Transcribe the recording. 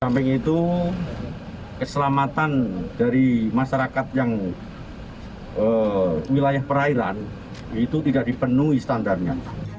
samping itu keselamatan dari masyarakat yang wilayah perairan itu tidak dipenuhi standarnya